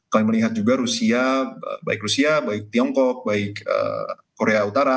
kami melihat juga rusia baik rusia baik tiongkok baik korea utara